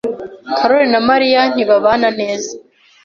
karoli na Mariya ntibabana neza.